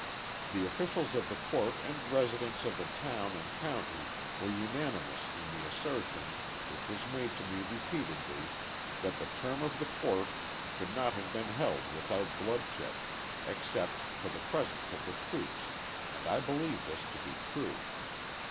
The officials of the court and residents of the town and county were unanimous in the assertion, which was made to me repeatedly, that the term of the court could not have been held without bloodshed, except for the presence of the troops, and I believe this to be true.